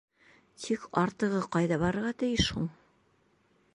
Тик артығы ҡайҙа барырға тейеш һуң?